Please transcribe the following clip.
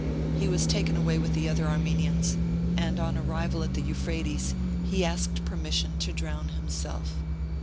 He was taken away with the other Armenianspand on arrival at the Euphrates he asked permission to drown himself.